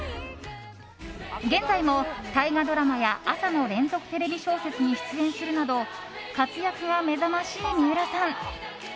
現在も大河ドラマや朝の連続テレビ小説に出演するなど活躍が目覚ましい三浦さん。